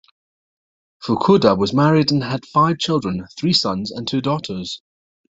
Fukuda was married and had five children: three sons and two daughters.